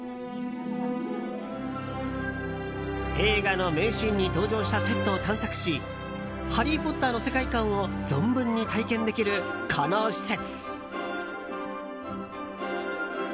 映画の名シーンに登場したセットを探索し「ハリー・ポッター」の世界観を存分に体験できるこの施設。